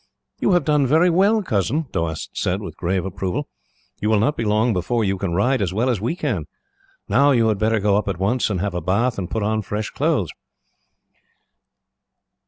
"You have done very well, cousin," Doast said, with grave approval. "You will not be long before you can ride as well as we can. Now you had better go up at once and have a bath, and put on fresh clothes."